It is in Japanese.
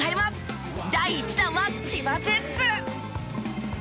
第１弾は千葉ジェッツ！